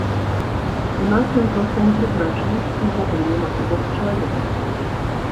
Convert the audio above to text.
У нас ён проста не прызначаны, ці ўвогуле няма такога чалавека?